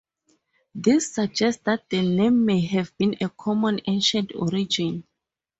This suggests that the name may have a common ancient origin.